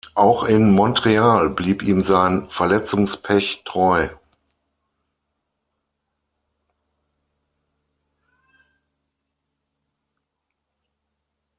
Auch in Montreal blieb ihm sein Verletzungspech treu.